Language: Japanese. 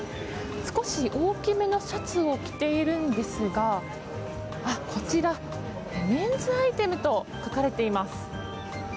少し大きめのシャツを着ているのですがこちら、メンズアイテムと書かれています。